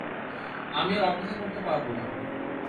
আমি আর অপেক্ষা করতে পারবো না!